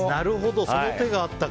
その手があったか！